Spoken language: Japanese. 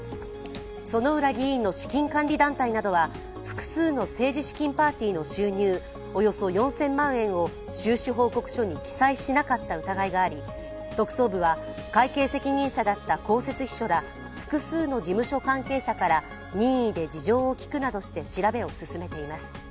薗浦議員の資金管理団体などは複数の政治資金パーティーの収入およそ４０００万円を収支報告書に記載しなかった疑いがあり、特捜部は会計責任者だった公設秘書ら複数の事務所関係者から任意で事情を聴くなどして調べを進めています。